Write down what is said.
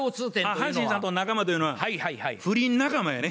阪神さんと仲間というのは不倫仲間やね。